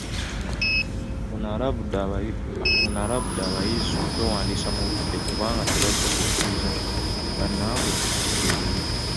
Ono alabudde abayizi okwewandiisiza mu budde kubanga tebajja kukkirizibwa abanaaba bakeereye.